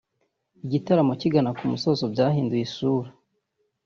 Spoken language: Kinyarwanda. Igitaramo kigana ku musozo byahinduye isura